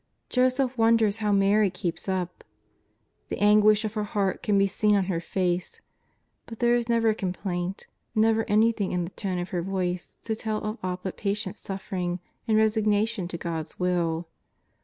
Joseph wonders how Mary keeps up. The anguish of her heart can be seen on her face, but there is never a complaint, never anything in the tone of her voice to tell of aught but patient suffering and resignation to God's Will.